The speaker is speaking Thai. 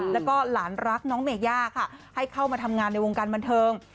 แล้วก็หลานรักน้องเมย่าค่ะให้เข้ามาทำงานในวงการบันเทิง